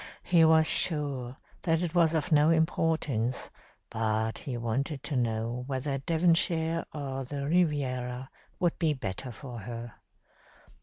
He was sure that it was of no importance, but he wanted to know whether Devonshire or the Riviera would be the better for her.